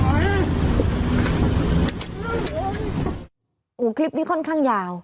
โอ้โหคลิปนี้ค่อนข้างยาว